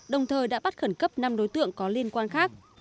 đồng thời đã bắt khẩn cấp năm đối tượng có liên quan khác